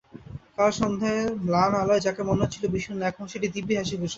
কাল সন্ধ্যার ম্লান আলোয় যাকে মনে হচ্ছিল বিষণ্ন, এখন সেটি দিব্যি হাসিখুশি।